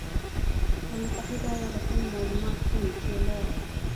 له متحدو ایالتونو مالومات ښیي چې له